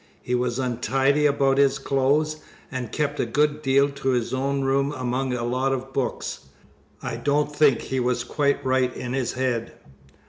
He was untidy about his clothes, and kept a good deal to his own room among a lot of books. I don't think he was quite right in his head.